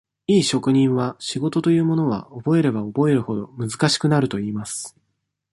いい職人は、仕事というものは、覚えれば覚えるほど、難しくなるといいます。